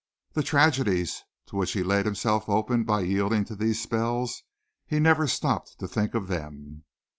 The tragedies to which he laid himself open by yielding to these spells he never stopped to think of them.